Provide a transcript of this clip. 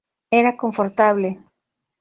Era confortable.